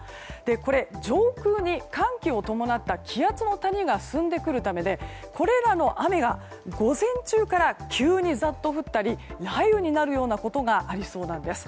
これ、上空に寒気を伴った気圧の谷が進んでくるためでこれらの雨が午前中から急にザッと降ったり雷雨になるようなことがありそうなんです。